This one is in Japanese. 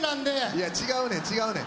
いや違うねん違うねん。